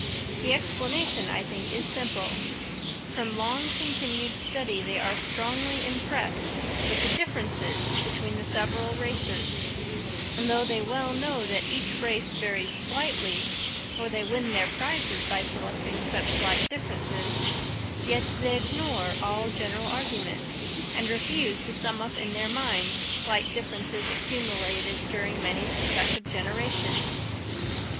The explanation, I think, is simple: from long continued study they are strongly impressed with the differences between the several races; and though they well know that each race varies slightly, for they win their prizes by selecting such slight differences, yet they ignore all general arguments, and refuse to sum up in their minds slight differences accumulated during many successive generations.